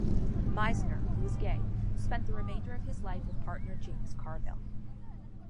Meisner, who was gay, spent the remainder of his life with partner James Carville.